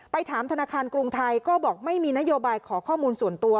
ถามธนาคารกรุงไทยก็บอกไม่มีนโยบายขอข้อมูลส่วนตัว